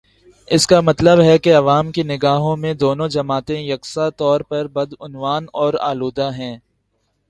اس کا مطلب ہے کہ عوام کی نگاہوں میں دونوں جماعتیں یکساں طور پر بدعنوان اور آلودہ ہیں۔